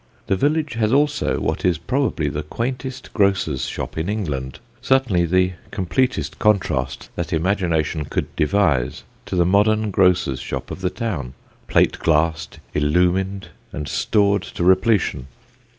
The village has also what is probably the quaintest grocer's shop in England; certainly the completest contrast that imagination could devise to the modern grocer's shop of the town, plate glassed, illumined and stored to repletion.